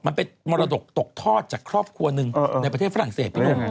มันเป็นมรดกตกทอดจากครอบครัวหนึ่งในประเทศฝรั่งเศสพี่หนุ่ม